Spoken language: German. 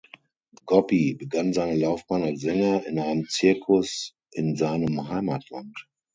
Gobbi begann seine Laufbahn als Sänger in einem Zirkus in seinem Heimatland.